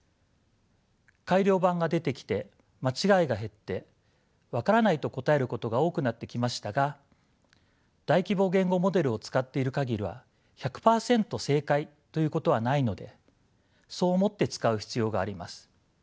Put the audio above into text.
改良版が出てきて間違いが減って分からないと答えることが多くなってきましたが大規模言語モデルを使っている限りは１００％正解ということはないのでそう思って使う必要があります。